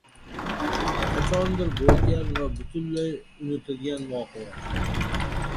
Qachondir boʻlgan va butunlay unutilgan voqea